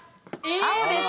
青です。